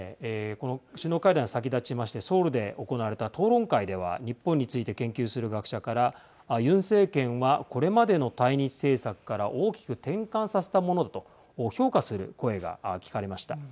この首脳会談、先立ちましてソウルで行われた討論会では日本について研究する学者からユン政権はこれまでの対日政策から大きく転換させたものだと評価する声が聞かれました。